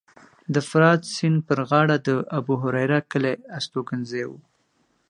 د فرات سیند په غاړه د ابوهریره کلی هستوګنځی و